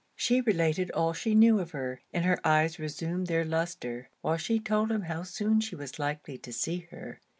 She related all she knew of her; and her eyes reassumed their lustre, while she told him how soon she was likely to see her.